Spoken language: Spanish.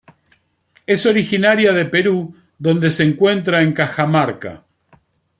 Es originaria de Perú, donde se encuentra en Cajamarca.